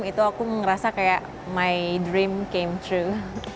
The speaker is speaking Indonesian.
itu aku ngerasa kayak my dream came thru